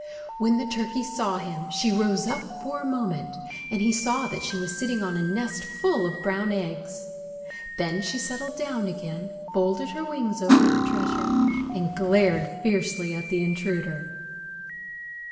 When the turkey saw him, she rose up for a moment, and he saw that she was sitting on a nest full of brown eggs. Then she settled down again, folded her wings over her treasure, and glared fiercely at the intruder.